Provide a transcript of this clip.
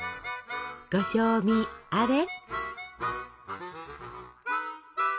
ご賞味あれ。